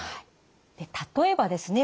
例えばですね